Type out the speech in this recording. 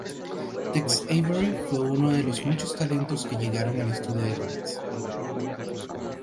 Tex Avery fue uno de los muchos talentos que llegaron al estudio de Lantz.